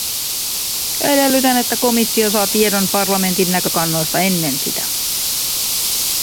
Edellytän, että komissio saa tiedon parlamentin näkökannoista ennen sitä.